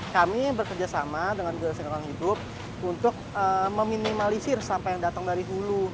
kami bekerja sama dengan dinas lingkungan hidup untuk meminimalisir sampah yang datang dari hulu